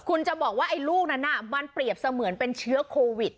คุณจะบอกว่าไอ้ลูกนั้นมันเปรียบเสมือนเป็นเชื้อโควิด